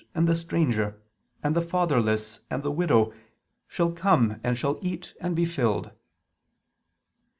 and the stranger, and the fatherless, and the widow ... shall come and shall eat and be filled."